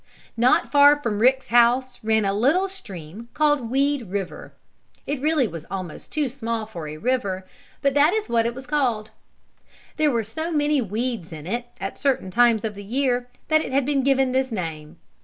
Not far from Rick's house ran a little stream called Weed River. It really was almost too small for a river, but that is what it was called. There were so many weeds in it, at certain times of the year, that it had been given this name.